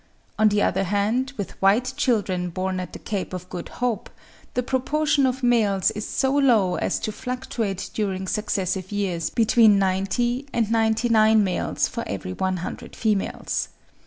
On the other hand, with white children born at the Cape of Good Hope, the proportion of males is so low as to fluctuate during successive years between 90 and 99 males for every 100 females.